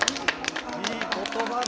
いい言葉だ。